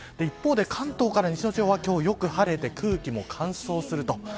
一方で、関東から西の地方は今日はよく晴れて空気も乾燥します。